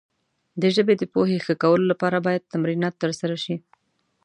د ژبې د پوهې ښه کولو لپاره باید تمرینات ترسره شي.